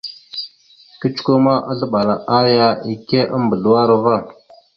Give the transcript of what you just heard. Kecəkwe ma, azləɓal aya ekeve a mbazləwar va.